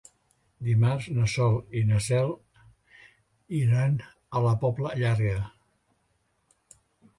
Dimarts na Sol i na Cel iran a la Pobla Llarga.